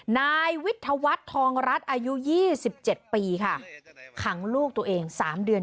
นายวิทวทธวรรค์ทองรัตรอายุยี่สิบเจ็ดปีค่ะขังลูกตัวเองสามเดือน